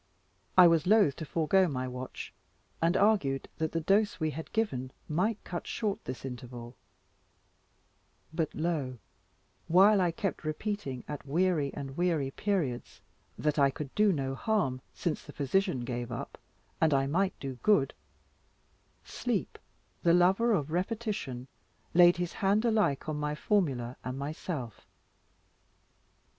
I was loth to forego my watch, and argued that the dose we had given might cut short this interval; but lo while I kept repeating at weary and weary periods, that I could do no harm, since the physician gave up, and I might do good sleep, the lover of repetition, laid his hand alike on my formula and myself.